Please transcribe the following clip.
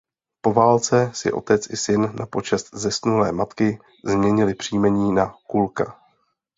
Po válce si otec i syn na počest zesnulé matky změnili příjmení na Kulka.